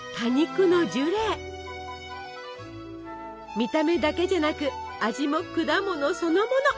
見た目だけじゃなく味も果物そのもの！